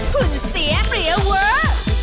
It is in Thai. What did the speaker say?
หุ่นเสียเปรย์เวอร์